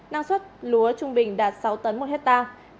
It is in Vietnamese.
năng suất lúa trung bình đạt sáu tấn một hectare